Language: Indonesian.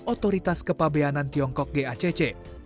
otoritas kepabeanan tiongkok gacc